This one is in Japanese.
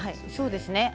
そうですね。